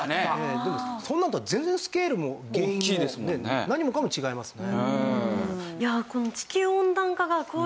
でもそんなのとは全然スケールも原因も何もかも違いますもんね。